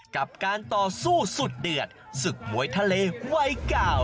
กับการต่อสู้สุดเดือดศึกมวยทะเลวัยเก่า